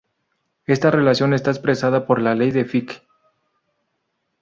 Esta relación está expresada por la ley de Fick.